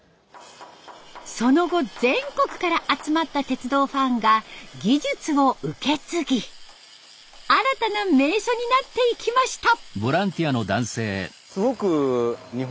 その後全国から集まった鉄道ファンが技術を受け継ぎ新たな名所になっていきました。